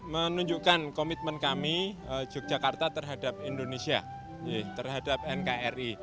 menunjukkan komitmen kami yogyakarta terhadap indonesia terhadap nkri